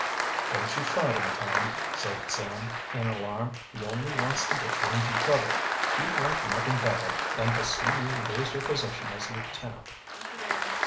"Don't you fight him, Tom," said Sam, in alarm. "He only wants to get you into trouble. He'd like nothing better than to see you lose your position as lieutenant."